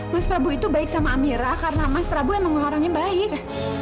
mas prabu itu baik sama amirah karena mas prabu emang orangnya baik